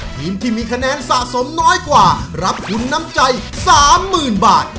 ทีมที่มีคะแนนสะสมน้อยกว่ารับทุนน้ำใจ๓๐๐๐บาท